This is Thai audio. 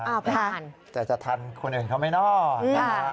อ้าวไปทันแต่จะทันคนอื่นเขาไม่นอกนะคะ